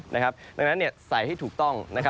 ดังนั้นใส่ให้ถูกต้อง